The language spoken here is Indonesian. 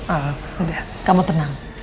udah kamu tenang